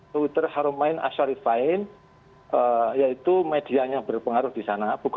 twitter harumain asharifain yaitu medianya berpengaruh di sana